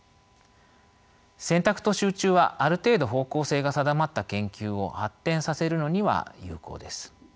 選択と集中はある程度方向性が定まった研究を発展させるのには有効です。